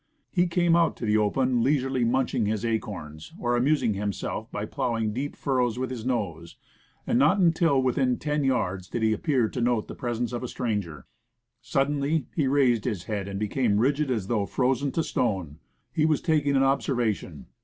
He came out to the open leisurely munching his acorns, or amusing himself by plough ing deep furrows with his nose, and not until within ten yards did he appear to note the presence of a stranger. Suddenly he raised his head and became rigid as though frozen to stone; he was taking an observation.